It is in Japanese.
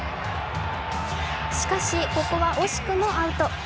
しかし、ここは惜しくもアウト。